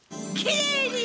きれいに！